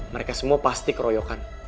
mereka semua pasti keroyokan